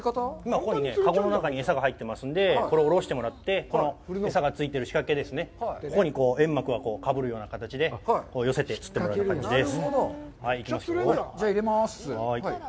ここに、かごの中に餌が入っていますので、これを下ろしてもらって、餌がついている仕掛けですね、ここに煙幕がかぶるような形で寄せて、釣ってもらう感じです。